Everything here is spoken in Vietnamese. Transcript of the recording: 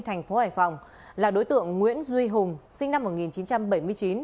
thành phố hải phòng là đối tượng nguyễn duy hùng sinh năm một nghìn chín trăm bảy mươi chín